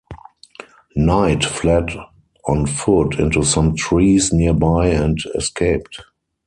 Knight fled on foot into some trees nearby and escaped.